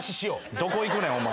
どこ行くねんお前。